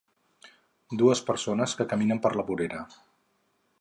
Dues persones que caminen per la vorera.